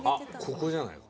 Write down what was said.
ここじゃない？